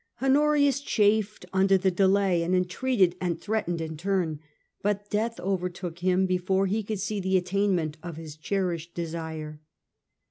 Honorius chafed under the delay, entreated and threatened in turn ; but death overtook him before he could see the attainment of his cherished desire.